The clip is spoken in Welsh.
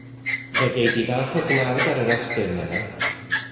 Fe gei di bach o gnawd ar yr esgyrn yna.